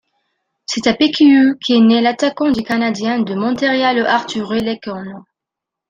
C'est à Piikkiö qu'est né l'attaquant des Canadiens de Montréal Artturi Lehkonen.